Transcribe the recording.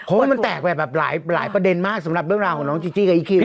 โอ้มันแตกแบบหลายประเด็นมากสำหรับเรื่องราวของน้องจิ๊กจี้กับอีกคืนนี้